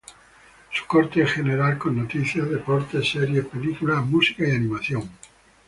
Su corte es general con noticias, deportes, series, películas, música y animación.